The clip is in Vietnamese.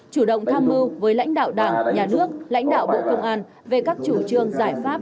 chủ động tham mưu với lãnh đạo đảng nhà nước lãnh đạo bộ công an về các chủ trương giải pháp